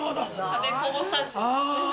食べこぼさず。